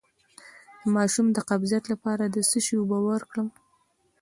د ماشوم د قبضیت لپاره د څه شي اوبه ورکړم؟